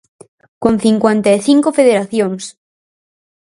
Con cincuenta e cinco federacións.